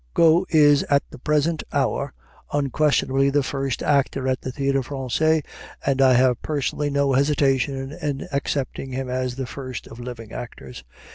Got is at the present hour unquestionably the first actor at the Théâtre Français, and I have personally no hesitation in accepting him as the first of living actors.